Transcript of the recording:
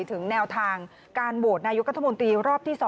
ถึงแนวทางการโหวตนายกรัฐมนตรีรอบที่๒